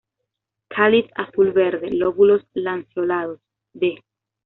Cáliz azul-verde; lóbulos lanceolados, de.